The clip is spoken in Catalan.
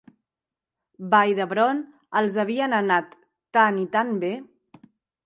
Vall d'Hebron els havien anat tan i tan bé.